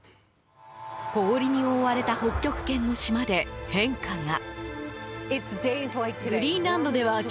氷に覆われた北極圏の島で変化が。